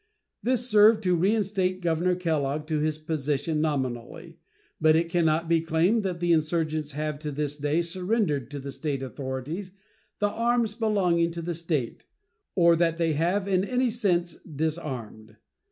This served to reinstate Governor Kellogg to his position nominally, but it can not be claimed that the insurgents have to this day surrendered to the State authorities the arms belonging to the State, or that they have in any sense disarmed.